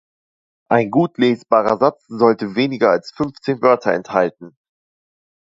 Ein gut lesbarer Satz sollte weniger als fünfzehn Wörter enthalten.